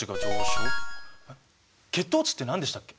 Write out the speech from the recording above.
血糖値って何でしたっけ？